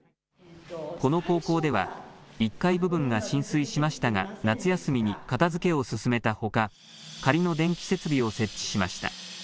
この高校では１階部分が浸水しましたが夏休みに片づけを進めたほか代わりの電気設備を設置しました。